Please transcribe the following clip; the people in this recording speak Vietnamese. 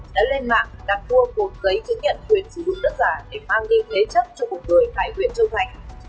đã lên mạng đặt mua một giấy chứng nhận quyền sử dụng đất giả để mang đi thế chất cho cuộc đời tài quyền châu thành